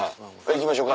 行きましょうか。